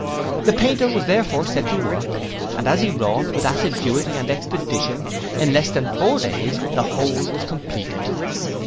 The painter was therefore set to work, and as he wrought with assiduity and expedition, in less than four days the whole was compleated.